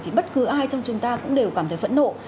thì bất cứ ai trong chúng ta cũng đều cảm thấy phẫn nộ